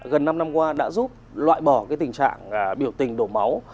gần năm năm qua đã giúp loại bỏ tình trạng biểu tình đổ máu